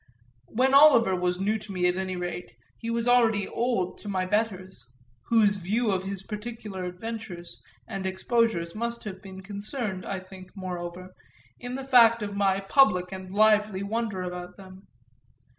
When Oliver was new to me, at any rate, he was already old to my betters; whose view of his particular adventures and exposures must have been concerned, I think, moreover, in the fact of my public and lively wonder about them.